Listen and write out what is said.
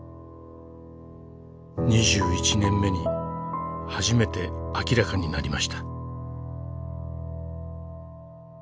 ２１年目に初めて明らかになりました。